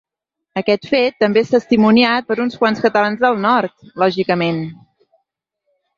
Aquest fet també és testimoniat per uns quants catalans del nord, lògicament.